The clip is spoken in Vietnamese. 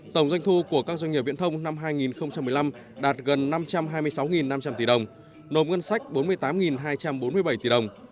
tổng doanh thu của các doanh nghiệp viễn thông năm hai nghìn một mươi năm đạt gần năm trăm hai mươi sáu năm trăm linh tỷ đồng nộp ngân sách bốn mươi tám hai trăm bốn mươi bảy tỷ đồng